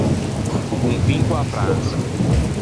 O confin co-a Fransa.